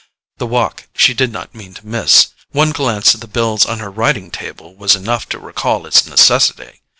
That walk she did not mean to miss; one glance at the bills on her writing table was enough to recall its necessity.